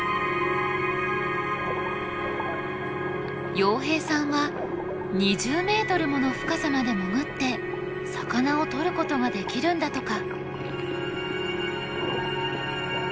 洋平さんは２０ｍもの深さまで潜って魚をとることができるんだとか。